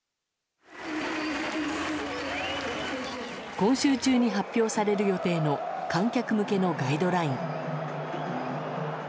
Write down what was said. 今週中に発表される予定の観客向けのガイドライン。